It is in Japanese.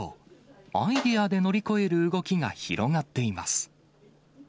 アイデアで乗り越える動きが広がっています。